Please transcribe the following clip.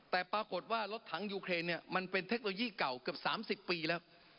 แต่ปรากฏว่ารถถังยูเครนเนี่ยมันเป็นเทคโนโลยีเก่าเกือบ๓๐ปีแล้ว